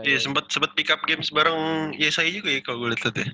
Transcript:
iya sempet pick up game bareng ysi juga ya kalo gue liat tadi